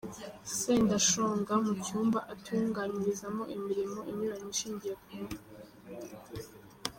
Sendashonga mu cyumba atunganyirizamo imirimo inyuranye ishingiye ku ruhu.